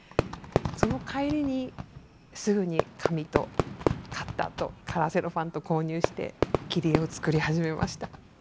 その帰りにすぐに紙とカッターとカラーセロハンと購入して切り絵を作り始めました。